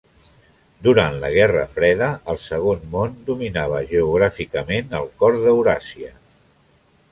Durant la Guerra freda, el Segon Món dominava geogràficament el cor d'Euràsia.